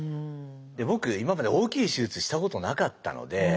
僕今まで大きい手術したことなかったので。